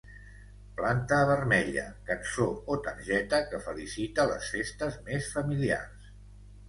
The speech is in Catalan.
Planta vermella, cançó o targeta que felicita les festes més familiars.